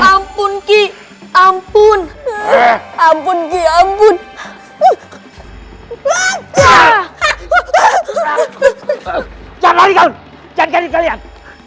ampun ampun ampun ampun ampun ampun